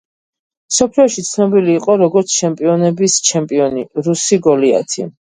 მსოფლიოში ცნობილი იყო როგორც „ჩემპიონების ჩემპიონი“, „რუსი გოლიათი“.